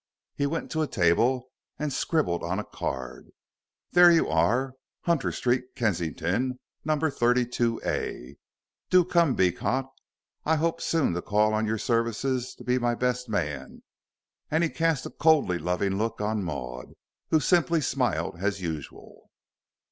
He went to a table and scribbled on a card. "There you are. Hunter Street, Kensington, No. 32A. Do come, Beecot. I hope soon to call on your services to be my best man," and he cast a coldly loving look on Maud, who simply smiled as usual.